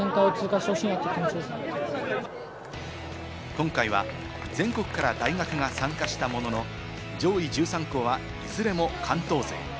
今回は全国から大学が参加したものの上位１３校はいずれも関東勢。